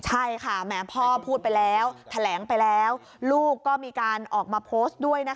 ใช่ค่ะแหมพ่อพูดไปแล้วแถลงไปแล้วลูกก็มีการออกมาโพสต์ด้วยนะคะ